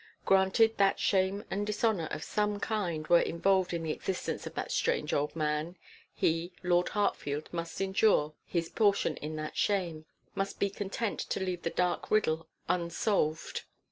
Granted that shame and dishonour of some kind were involved in the existence of that strange old man, he, Lord Hartfield, must endure his portion in that shame must be content to leave the dark riddle unsolved.